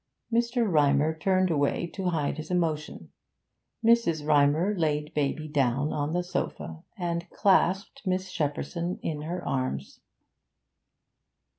Mr. Rymer turned away to hide his emotion. Mrs. Rymer laid baby down on the sofa, and clasped Miss Shepperson in her arms.